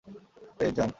Please, যান।